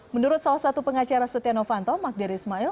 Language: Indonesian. menurut salah satu pengacara setia novanto magdir ismail